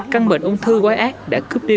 căn bệnh ung thư quái ác đã cướp đi